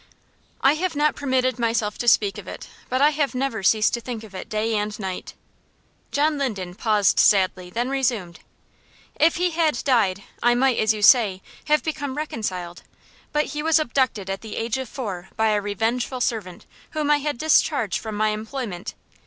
"I have not permitted myself to speak of it, but I have never ceased to think of it day and night." John Linden paused sadly, then resumed: "If he had died, I might, as you say, have become reconciled; but he was abducted at the age of four by a revengeful servant whom I had discharged from my employment.